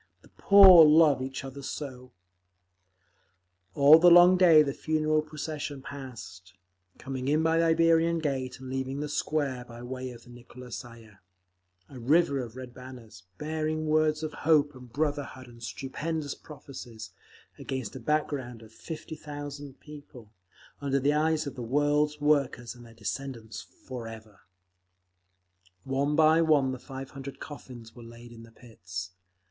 The poor love each other so! All the long day the funeral procession passed, coming in by the Iberian Gate and leaving the Square by way of the Nikolskaya, a river of red banners, bearing words of hope and brotherhood and stupendous prophecies, against a back ground of fifty thousand people,—under the eyes of the world's workers and their descendants forever…. One by one the five hundred coffins were laid in the pits.